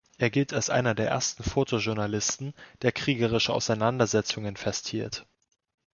Er gilt als einer der ersten Fotojournalisten, der kriegerische Auseinandersetzungen festhielt.